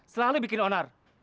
selalu bikin onar